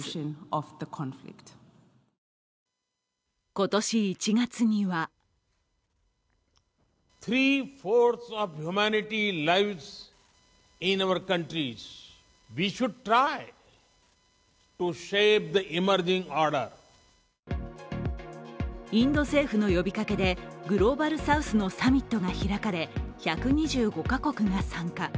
今年１月にはインド政府の呼びかけでグローバルサウスのサミットが開かれ１２５か国が参加。